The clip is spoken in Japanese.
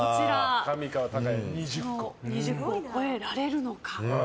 ２０個を超えられるのか。